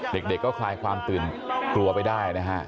เด็กก็คลายความตื่นกลัวไปได้นะฮะ